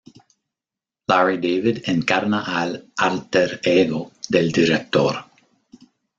Larry David encarna al "álter ego" del director.